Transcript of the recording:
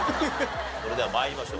それでは参りましょう。